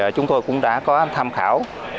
chúng tôi cũng đã có tham khảo